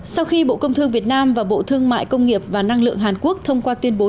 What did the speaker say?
sau khi bộ công thương việt nam và bộ thương mại công nghiệp và năng lượng hàn quốc thông qua tuyên bố